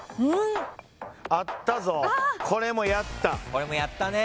これもやったね。